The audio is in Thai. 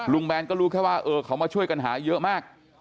ลุงแบรนด์ก็รู้แค่ว่าเออเขามาช่วยกันหาเยอะมาก